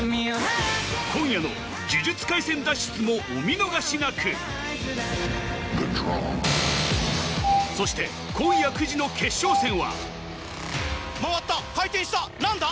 今夜の『呪術廻戦』脱出もお見逃しなくそして今夜９時の決勝戦は回った回転した何だ？